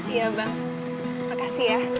iya bang makasih ya